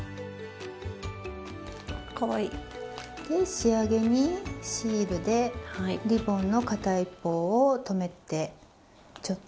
仕上げにシールでリボンの片一方を留めてちょっと。